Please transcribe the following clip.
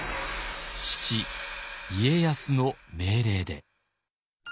父家康の命令で。